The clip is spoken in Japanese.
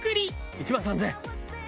「１万３０００円！」